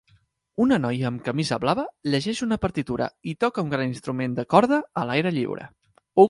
Una noia amb una camisa blava llegeix una partitura i toca un gran instrument de corda a l'aire lliure.